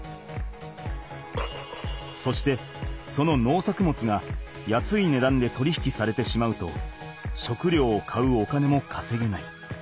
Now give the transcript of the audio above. そしてその農作物が安い値段で取り引きされてしまうと食料を買うお金もかせげない。